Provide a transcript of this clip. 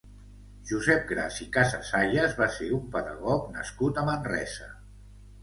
Josep Gras i Casasayas va ser un pedagog nascut a Manresa.